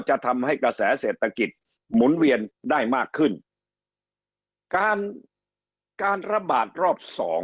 จะทำให้กระแสเศรษฐกิจหมุนเวียนได้มากขึ้นการการระบาดรอบสอง